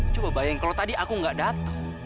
coba bayang kalau tadi aku gak datang